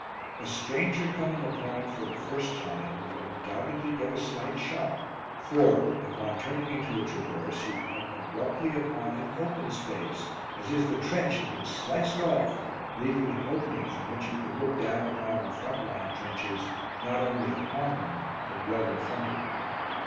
A stranger coming upon it for the first time would undoubtedly get a slight shock for, upon turning into a traverse, you come abruptly upon an open space, as if the trench had been sliced off, leaving an opening from which you could look down upon our front line trenches, not only upon them but well in front of them.